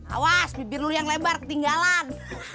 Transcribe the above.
awas bibir lu yang lebar ketinggalan